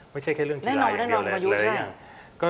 ไม่ใช่แค่เรื่องทีรายแน่นอนอายุ